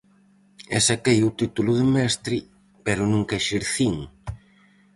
E saquei o título de mestre, pero nunca exercín.